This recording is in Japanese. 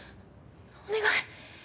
お願い。